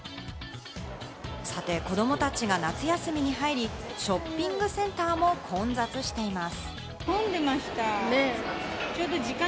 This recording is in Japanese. さて子どもたちが夏休みに入り、ショッピングセンターも混雑しています。